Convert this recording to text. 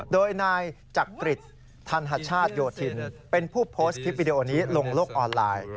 โดยนายจักริจทันทชาติโยธินเป็นผู้โพสต์คลิปวิดีโอนี้ลงโลกออนไลน์